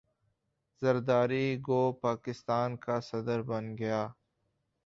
ذرداری گو پاکستان کا صدر بن گیا ہے